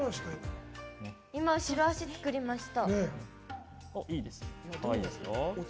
今、後ろ足作りました。